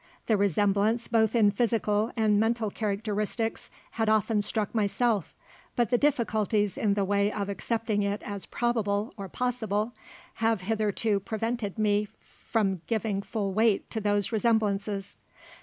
The resemblance both in physical and mental characteristics had often struck myself, but the difficulties in the way of accepting it as probable or possible, have hitherto prevented me front giving full weight to those resemblances.